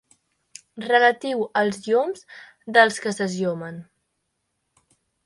Relatiu als lloms dels que s'esllomen.